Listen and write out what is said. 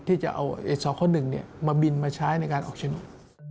ที่จะเอาสค๑มาบินมาใช้ในการออกโฉนด